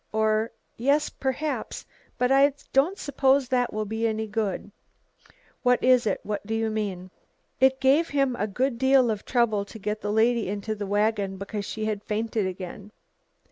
Or yes, perhaps, but I don't suppose that will be any good." "What was it? What do you mean?" "It gave him a good deal of trouble to get the lady into the wagon, because she had fainted again.